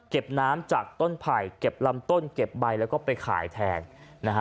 น้ำจากต้นไผ่เก็บลำต้นเก็บใบแล้วก็ไปขายแทนนะฮะ